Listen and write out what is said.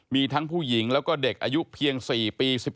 มีทั้งผู้หญิงแล้วก็เด็กอายุเพียง๔ปี๑๘